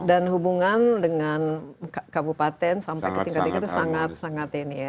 dan hubungan dengan kabupaten sampai ketika ketika itu sangat sangat ini ya